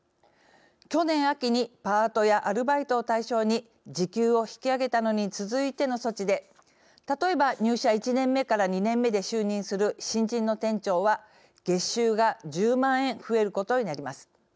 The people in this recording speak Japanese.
去年秋にパートやアルバイトを対象に時給を引き上げたのに続いての措置で例えば入社１年目から２年目で就任する新人の店長は、月収が１０万円増えることになります。